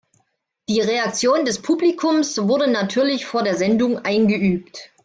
Die Reaktion des Publikums wurde natürlich vor der Sendung eingeübt.